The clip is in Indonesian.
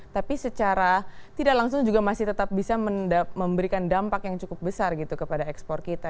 tapi secara tidak langsung juga masih tetap bisa memberikan dampak yang cukup besar gitu kepada ekspor kita